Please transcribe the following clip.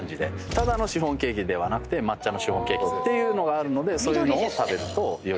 ただのシフォンケーキではなくて抹茶のシフォンケーキがあるのでそういうのを食べるとより。